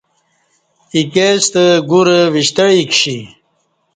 ایکے ستہ گورہ وِشتعی کشی